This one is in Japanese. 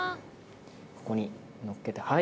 ここに、のっけて。